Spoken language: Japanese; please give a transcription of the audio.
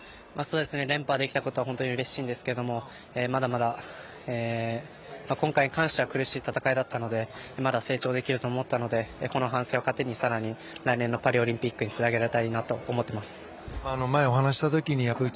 連覇できたことは本当にうれしいんですけどまだまだ今回に関しては苦しい戦いだったのでまだ成長できると思ったのでこの反省を糧に更に来年のパリオリンピックにつなげられたらいいと思いました。